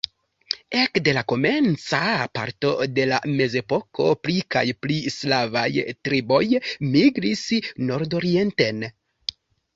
Ekde la komenca parto de la mezepoko pli kaj pli slavaj triboj migris nordorienten.